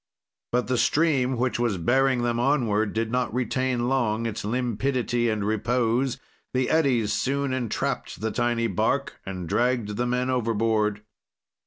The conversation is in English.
"But the stream, which was bearing them onward, did not retain long its limpidity and repose; the eddies soon entrapped the tiny bark and dragged the men overboard.